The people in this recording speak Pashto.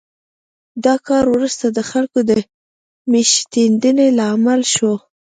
دا کار وروسته د خلکو د مېشتېدنې لامل شو